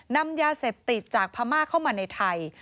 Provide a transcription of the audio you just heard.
นำยาเสพติดจากพม่าเข้ามาในไทย